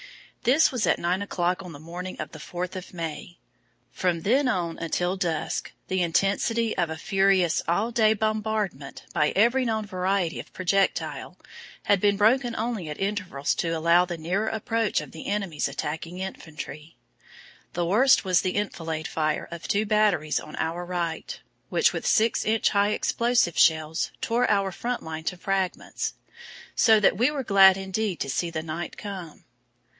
This was at nine o'clock on the morning of the fourth of May. From then on until dusk the intensity of a furious all day bombardment by every known variety of projectile had been broken only at intervals to allow of the nearer approach of the enemy's attacking infantry. The worst was the enfilade fire of two batteries on our right which with six inch high explosive shells tore our front line to fragments so that we were glad indeed to see the night come.